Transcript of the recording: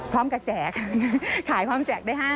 พร้อมกับแจกค่ะขายพร้อมแจกได้๕๐